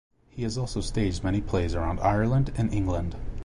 He has also staged many plays around Ireland and England.